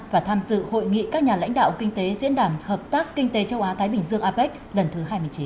và tham dự hội nghị các nhà lãnh đạo kinh tế diễn đàn hợp tác kinh tế châu á thái bình dương apec lần thứ hai mươi chín